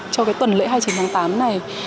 cho cái tuần lễ hai chín hai nghìn một mươi bốn này